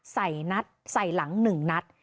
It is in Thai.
ใส่นัดใส่หลัง๑นัด